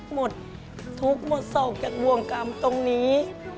หมดทุกข์หมดโศกจากดวงกรรมตรงนี้